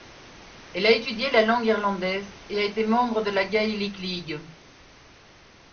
Elle a étudié la langue irlandaise et a été membre de la Gaelic League.